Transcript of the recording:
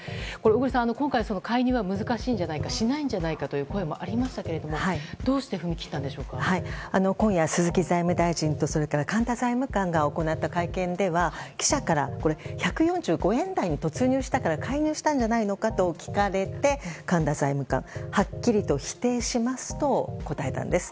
小栗さん、今回、介入は難しいんじゃないかしないんじゃないかという声もありましたけれども今夜、鈴木財務大臣とそれから神田財務官が行った会見では記者から１４５円台に突入したから介入したんじゃないかと聞かれて、神田さんがはっきりと否定しますと答えたんです。